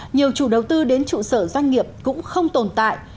nhiều chủ đầu tư đến trụ sở doanh nghiệp cũng không tồn tại